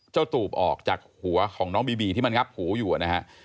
ตูบออกจากหัวของน้องบีบีที่มันงับหูอยู่นะฮะ